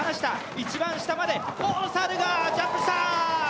一番下までおさるがジャンプした。